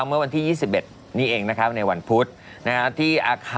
เด็ก๒คนที่เราเห็นในภาพนี้นะคะ